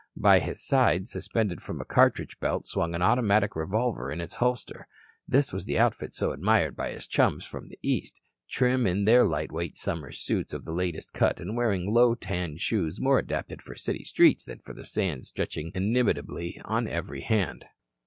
By his side, suspended from a cartridge belt, swung an automatic revolver in its holster. This was the outfit so admired by his chums from the East, trim in their light weight summer suits of the latest cut and wearing low tan shoes more adapted for city streets than for the sands stretching inimitably on every hand.